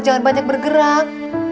jangan banyak bergerak